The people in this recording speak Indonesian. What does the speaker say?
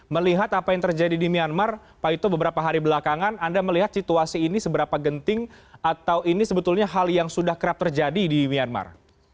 melihat apa yang terjadi di myanmar pak ito beberapa hari belakangan anda melihat situasi ini seberapa genting atau ini sebetulnya hal yang sudah kerap terjadi di myanmar